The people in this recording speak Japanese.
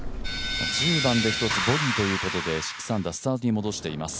１０番で１ボギーということで６アンダースタートに戻しています。